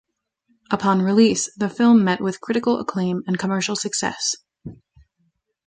Upon release, the film met with critical acclaim and commercial success.